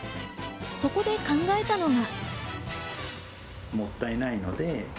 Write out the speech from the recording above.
そこで考えたのが。